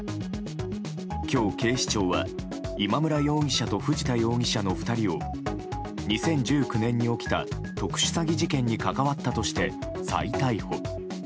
今日、警視庁は今村容疑者と藤田容疑者の２人を２０１９年に起きた特殊詐欺事件に関わったとして再逮捕。